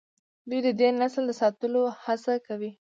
دوی د دې نسل د ساتلو هڅه کوي.